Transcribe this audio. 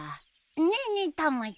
ねえねえたまちゃん。